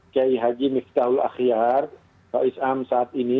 kayak haji miftahul akhyar pak is'am saat ini